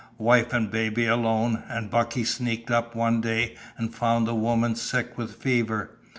Wife and baby alone, an' Bucky sneaked up one day and found the woman sick with fever.